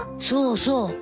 そうそう。